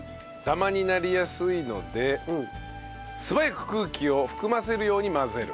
ダマになりやすいので素早く空気を含ませるように混ぜる。